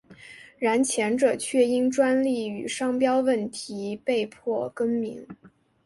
然前者却因专利与商标问题被迫更名。